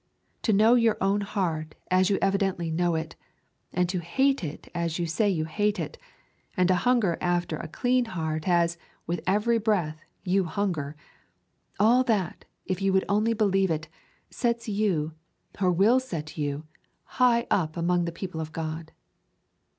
To know your own heart as you evidently know it, and to hate it as you say you hate it, and to hunger after a clean heart as, with every breath, you hunger, all that, if you would only believe it, sets you, or will yet set you, high up among the people of God.